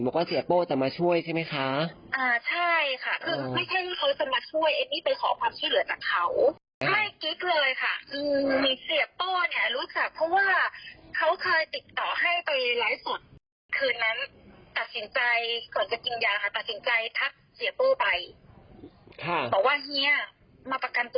บอกว่าเฮียมาประกันเตือนหนูได้ไหม